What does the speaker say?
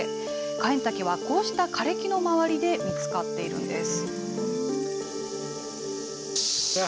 カエンタケは、こうした枯れ木の周りで見つかっているんです。